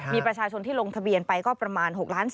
มีประชาชนที่ลงทะเบียนไปก็ประมาณ๖ล้าน